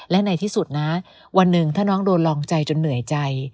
และในที่สุดนะวันหนึ่งถ้าน้องโดนลองใจจนเหนื่อยใจ